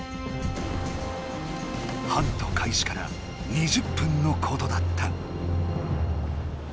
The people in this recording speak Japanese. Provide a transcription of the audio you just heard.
ハントかいしから２０分のことだった。